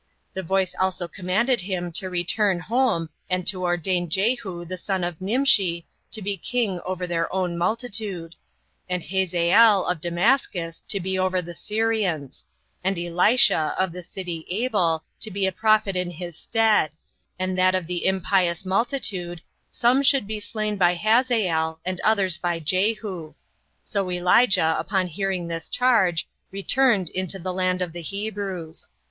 The voice also commanded him to return home, and to ordain Jehu, the son of Nimshi, to be king over their own multitude; and Hazael, of Damascus, to be over the Syrians; and Elisha, of the city Abel, to be a prophet in his stead; and that of the impious multitude, some should be slain by Hazael, and others by Jehu. So Elijah, upon hearing this charge, returned into the land of the Hebrews.